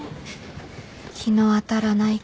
日の当たらない恋か